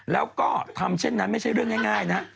แล้วก็ทำเช่นนั้นไม่ใช่เรื่องง่ายนะ